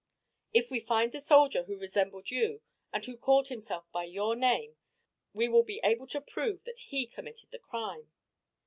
If we find the soldier who resembled you, and who called himself by your name, we will be able to prove that he committed the crime."